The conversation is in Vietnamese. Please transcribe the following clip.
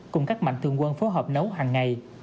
cùng các mạnh thường quân phối hợp nấu hàng ngày